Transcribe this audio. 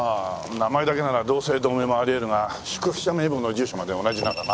名前だけなら同姓同名もあり得るが宿泊者名簿の住所まで同じならな。